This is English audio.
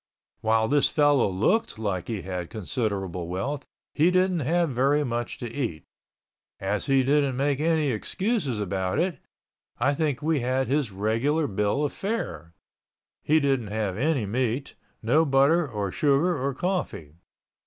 While this fellow looked like he had considerable wealth, he didn't have very much to eat. As he didn't make any excuses about it, I think we had his regular bill of fare. He didn't have any meat, no butter or sugar or coffee.